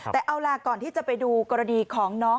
แต่เอาล่ะก่อนที่จะไปดูกรณีของน้อง